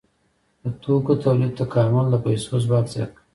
د توکو تولید تکامل د پیسو ځواک زیات کړ.